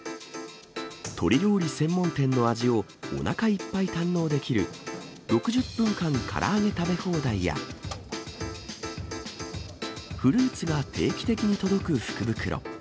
鶏料理専門店の味を、おなかいっぱい堪能できる、６０分間から揚げ食べ放題や、フルーツが定期的に届く福袋。